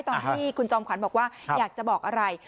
ตอนที่คุณจอมขวัญบอกว่าอยากจะบอกอะไร